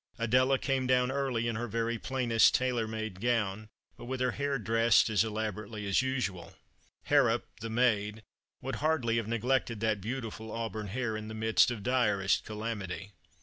Adela came down early in her very plainest tailor made gown, but with her hair dressed as elaborately as usual. Harrop, the maid, would hardly have neglected that beautiful auburn hair in the midst of direst calamity.